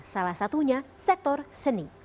salah satunya sektor seni